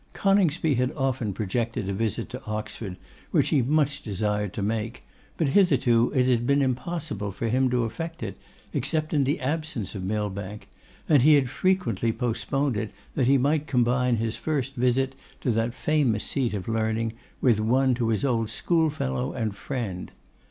Coningsby had often projected a visit to Oxford, which he much desired to make, but hitherto it had been impossible for him to effect it, except in the absence of Millbank; and he had frequently postponed it that he might combine his first visit to that famous seat of learning with one to his old schoolfellow and friend.